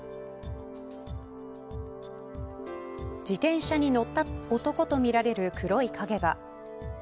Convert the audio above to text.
自転車に乗った男とみられる黒い影が。